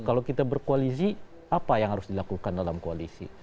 kalau kita berkoalisi apa yang harus dilakukan dalam koalisi